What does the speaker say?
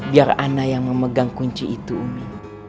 biar anak yang memegang kunci itu umi